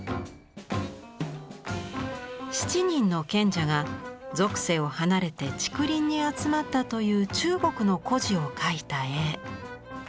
七人の賢者が俗世を離れて竹林に集まったという中国の故事を描いた絵。